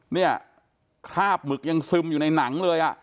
เนี่ยคราบหมึกยังซึมอยู่ในหนังเลยอ่ะ